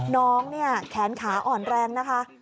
น้องเนี่ยแขนขาอ่อนแรงนะคะ